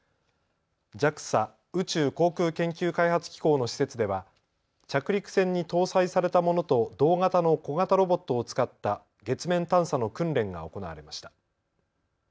ＪＡＸＡ・宇宙航空研究開発機構の施設では着陸船に搭載されたものと同型の小型ロボットを使った月面探査の訓練が行われました。